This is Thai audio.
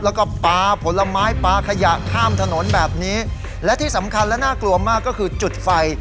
แล้วก็ปลาผลไม้ปลาขยะข้ามถนนแบบนี้และที่สำคัญและน่ากลัวมากก็คือจุดไฟ